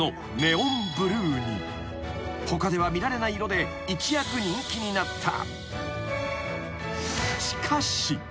［他では見られない色で一躍人気になった］